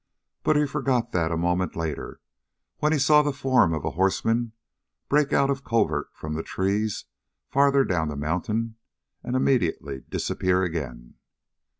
But he forgot that a moment later, when he saw the form of a horseman break out of covert from the trees farther down the mountain and immediately disappear again.